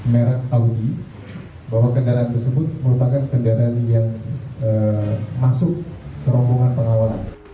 merek audi bahwa kendaraan tersebut merupakan kendaraan yang masuk ke rombongan pengawalan